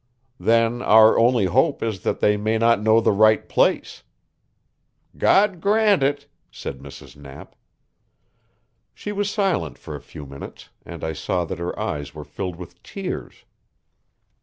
"Then our only hope is that they may not know the right place." "God grant it," said Mrs. Knapp. She was silent for a few minutes, and I saw that her eyes were filled with tears.